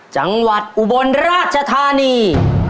จังหวัดอุบลราชธานี